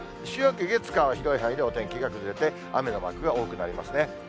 週明け、月、火は広い範囲でお天気が崩れて、雨のマークが多くなりますね。